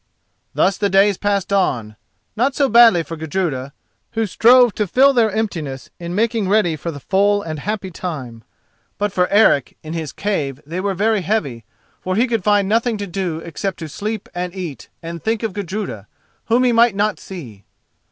Thus the days passed on—not so badly for Gudruda, who strove to fill their emptiness in making ready for the full and happy time; but for Eric in his cave they were very heavy, for he could find nothing to do except to sleep and eat, and think of Gudruda, whom he might not see.